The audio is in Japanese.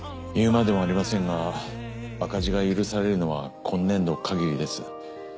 言うまでもありませんが赤字が許されるのは今年度限りです。